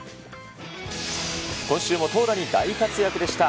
今週も投打に大活躍でした。